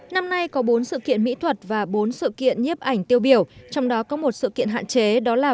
năm nay có bốn sự kiện mỹ thuật và bốn sự kiện nhếp ảnh tiêu biểu trong đó có một sự kiện hạn chế đó là